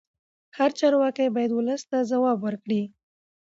هر چارواکی باید ولس ته ځواب ورکړي